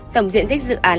tổng diện tích dự án